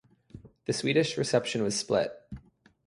The Swedish reception was split.